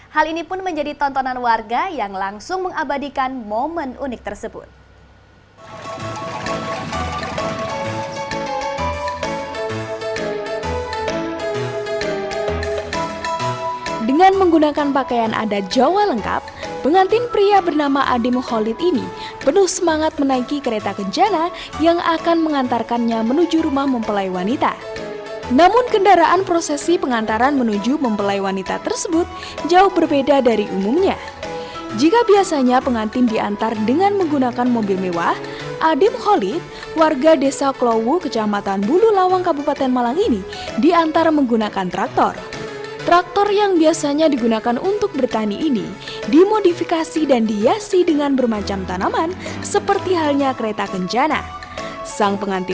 hal ini pun menjadi tontonan warga yang langsung mengabadikan momen unik tersebut